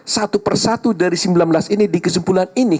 satu persatu dari sembilan belas ini di kesimpulan ini